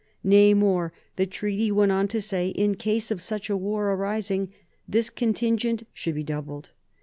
Nay more, the treaty went on to say, in case of such a war arising, this contingent should be doubled.